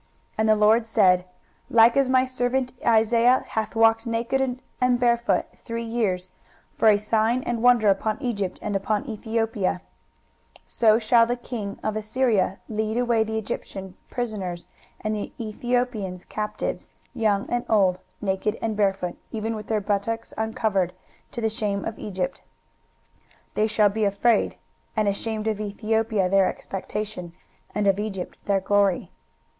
23:020:003 And the LORD said, Like as my servant Isaiah hath walked naked and barefoot three years for a sign and wonder upon Egypt and upon Ethiopia; 23:020:004 So shall the king of Assyria lead away the Egyptians prisoners, and the Ethiopians captives, young and old, naked and barefoot, even with their buttocks uncovered, to the shame of Egypt. 23:020:005 And they shall be afraid and ashamed of Ethiopia their expectation, and of Egypt their glory.